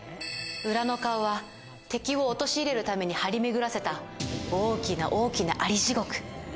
裏の顔は敵を陥れるために張り巡らせた大きな大きな蟻地獄。